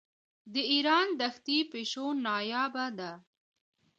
د ایران دښتي پیشو نایابه ده.